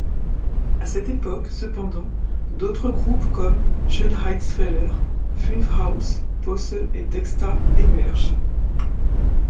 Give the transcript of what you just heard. À cette époque, cependant, d'autres groupes comme Schönheitsfehler, Fünfhaus Posse et Texta, émergent.